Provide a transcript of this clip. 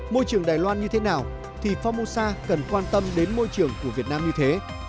môi trường đài loan như thế nào thì phongmosa cần quan tâm đến môi trường của việt nam như thế